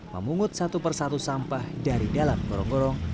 memungut satu persatu sampah dari dalam gorong gorong